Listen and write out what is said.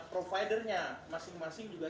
providernya masing masing juga